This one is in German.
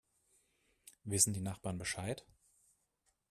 Wissen die Nachbarn Bescheid?